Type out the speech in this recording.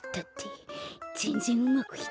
ぜんぜんうまくいってないよ